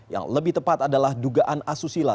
yang lebih tepat adalah dugaan asusila